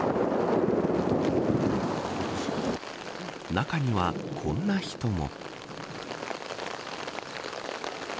中にはこんな人も。